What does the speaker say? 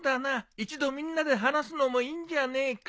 一度みんなで話すのもいいんじゃねえか。